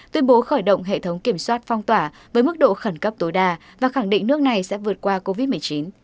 tuyên bố khởi động hệ thống kiểm soát phong tỏa với mức độ khẩn cấp tối đa và khẳng định nước này sẽ vượt qua covid một mươi chín